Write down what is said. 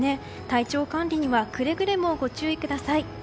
体調管理にはくれぐれもご注意ください。